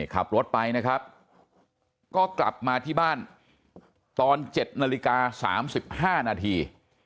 ขับรถไปนะครับก็กลับมาที่บ้านตอน๗นาฬิกา๓๕นาที